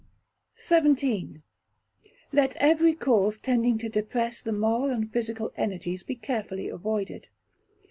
xvii. Let every cause tending to depress the moral and physical energies be carefully avoided.